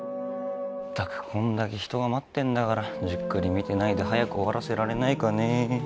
まったくこんだけ人が待ってんだからじっくり診てないで早く終わらせられないかねえ。